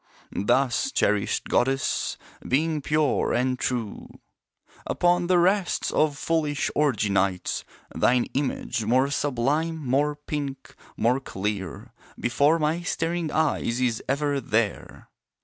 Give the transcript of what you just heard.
Thus, cherished goddess, Being pure and true Upon the rests of foolish orgy nights Thine image, more sublime, more pink, more clear, Before my staring eyes is ever there.